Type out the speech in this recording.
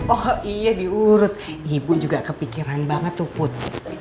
oh iya diurut ibu juga kepikiran banget tuh put